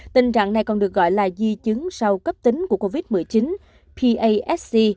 tình trạng này còn được gọi là di chứng sau cấp tính của covid một mươi chín pasc